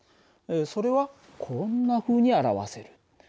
それはこんなふうに表せる。